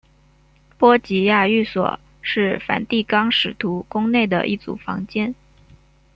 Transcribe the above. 波吉亚寓所是梵蒂冈使徒宫内的一组房间。